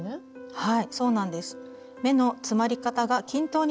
はい。